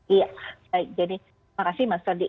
iya baik jadi terima kasih mas fadli